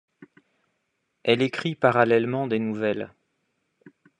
Elle écrit parallèlement des nouvelles.